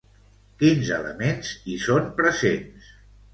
Quins elements hi són presents?